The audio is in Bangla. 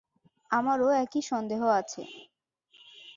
আমারও একই সন্দেহ আছে।